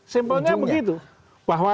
simpelnya begitu bahwa